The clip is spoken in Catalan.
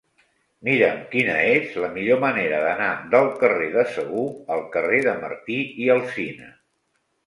Mira'm quina és la millor manera d'anar del carrer de Segur al carrer de Martí i Alsina.